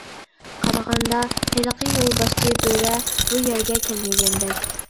قارىغاندا ھېلىقى يولباشچى بۆرە بۇ يەرگە كەلمىگەندەك.